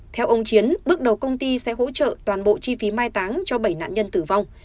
theo ông chiến bước đầu công ty sẽ hỗ trợ toàn bộ chi phí mai táng cho bảy nạn nhân tử vong